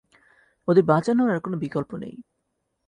ওদের বাঁচানোর আর কোনো বিকল্প নেই।